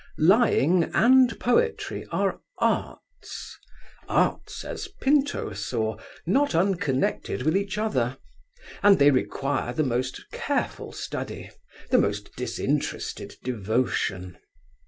Lying and poetry are arts—arts, as Pinto saw, not unconnected with each other—and they require the most careful study, the most disinterested devotion.